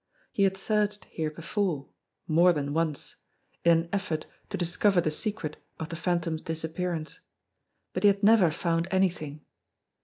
He had searched here before more than once in an effort to discover the secret of the Phantom's disappearance. But he had never found anything.